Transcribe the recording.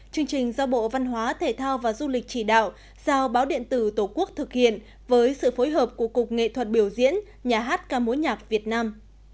chương trình do bộ văn hóa thể thao và du lịch chỉ đạo giao báo điện tử tổ quốc thực hiện với sự phối hợp của cục nghệ thuật biểu diễn nhà hát ca mối nhạc việt nam